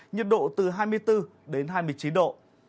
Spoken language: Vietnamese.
nhiệt độ từ hai mươi bốn đến hai mươi chín độ